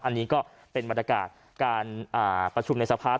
อันนี้ก็เป็นบรรยากาศการประชุมในสภาพ